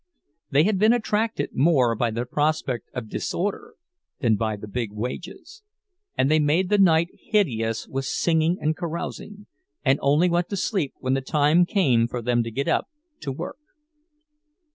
They had been attracted more by the prospect of disorder than by the big wages; and they made the night hideous with singing and carousing, and only went to sleep when the time came for them to get up to work.